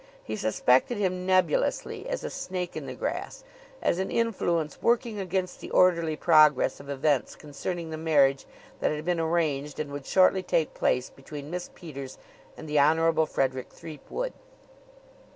He suspected him nebulously as a snake in the grass; as an influence working against the orderly progress of events concerning the marriage that had been arranged and would shortly take place between Miss Peters and the Honorable Frederick Threepwood.